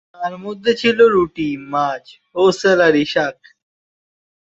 তার মধ্যে ছিল রুটি, মাছ ও স্যালারী শাক।